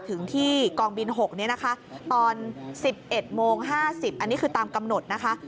ถึงที่กองบิน๖นี้นะคะตอน๑๑โมง๕๐อันนี้คือตามกำหนดนะคะ